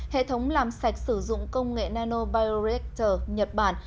hệ thống làm sạch sử dụng công nghệ nanobioreactor nhật bản